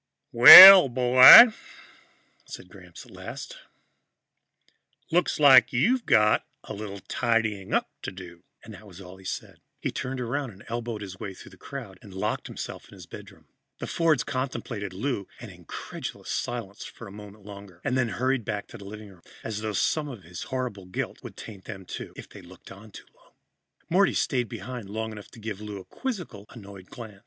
"Well, boy," said Gramps at last, "looks like you've got a little tidying up to do." And that was all he said. He turned around, elbowed his way through the crowd and locked himself in his bedroom. The Fords contemplated Lou in incredulous silence a moment longer, and then hurried back to the living room, as though some of his horrible guilt would taint them, too, if they looked too long. Morty stayed behind long enough to give Lou a quizzical, annoyed glance.